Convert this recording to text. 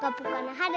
はる？